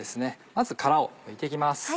まず殻をむいて行きます。